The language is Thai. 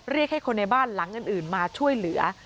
เรียกให้คนในบ้านหลังอื่นมาช่วยเหลือ